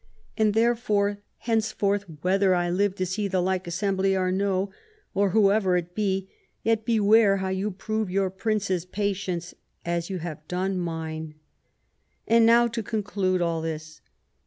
And therefore henceforth, whether I live to see the like assembly or no, or whoever it be, yet beware how you prove your Prince's patience as you have now done mine. And now to conclude all this.